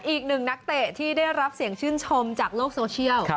อีกหนึ่งนักเตะที่ได้รับเสียงชื่นชมจากโลกโซเชียล